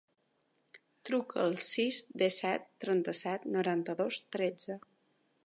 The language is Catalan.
Truca al sis, disset, trenta-set, noranta-dos, tretze.